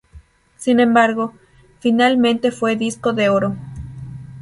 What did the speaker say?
Sin embargo, finalmente fue disco de oro.